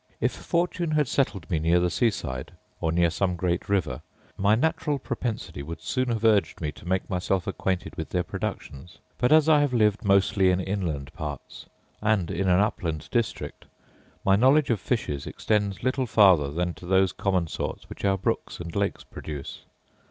If fortune had settled me near the sea side, or near some great river, my natural propensity would soon have urged me to have made myself acquainted with their productions: but as I have lived mostly in inland parts, and in an upland district, my knowledge of fishes extends little farther than to those common sorts which our brooks and lakes produce.